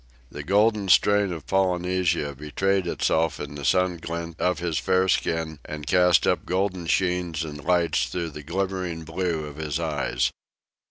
The golden strain of Polynesia betrayed itself in the sun gilt of his fair skin and cast up golden sheens and lights through the glimmering blue of his eyes.